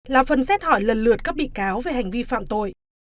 là phần xét hỏi lần lượt các bị cáo về hành vi phạm tội